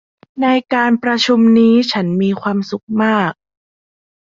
ในการประชุมนี้ฉันมีความสุขมาก